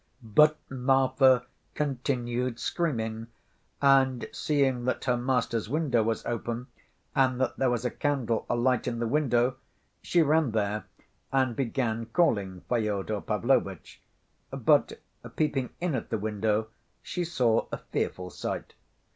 But Marfa continued screaming, and seeing that her master's window was open and that there was a candle alight in the window, she ran there and began calling Fyodor Pavlovitch. But peeping in at the window, she saw a fearful sight.